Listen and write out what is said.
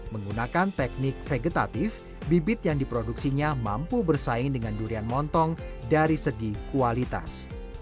menggunakan teknik vegetatif bibit yang diproduksinya mampu bersaing dengan durian montong dari segi kualitas